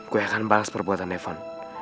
gua akan balas perbuatan devon